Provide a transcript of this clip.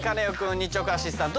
日直アシスタント